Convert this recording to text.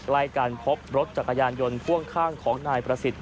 ใกล้กันพบรถจักรยานยนต์พ่วงข้างของนายประสิทธิ